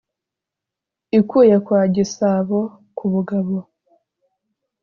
Ikuye kwa Gisabo* ku bugabo.